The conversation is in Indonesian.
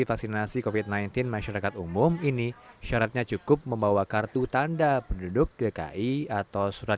vaksinasi covid sembilan belas masyarakat umum ini syaratnya cukup membawa kartu tanda penduduk gki atau surat